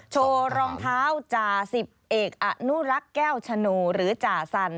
โชว์รองเท้าจ่าสิบเอกอนุรักษ์แก้วชโนหรือจ่าสัน